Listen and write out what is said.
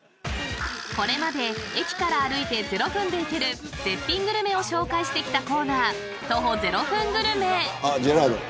これまで駅から歩いて０分で行ける絶品グルメを紹介してきたコーナー、徒歩０分グルメ。